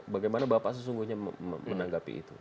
bagaimana bapak sesungguhnya menanggapi itu